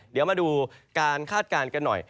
เดี๋ยวมาดูการคาดการณ์กันหน่อย